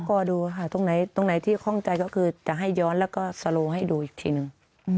รอดูค่ะตรงไหนตรงไหนที่คล่องใจก็คือจะให้ย้อนแล้วก็สโลให้ดูอีกทีหนึ่ง